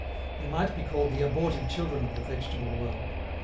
They might be called the abortive children of the vegetable world.